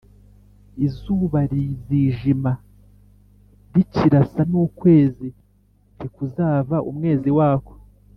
izuba rizijima rikirasa n ukwezi ntikuzava umwezi wako